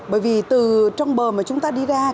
bởi vì từ trong bờ mà chúng ta đi ra